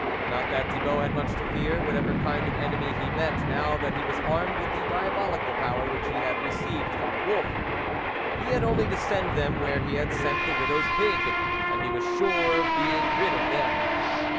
Not that Thibault had much to fear, whatever kind of enemy he met, now that he was armed with the diabolical power which he had received from the wolf. He had only to send them where he had sent the widow's pig, and he was sure of being rid of them.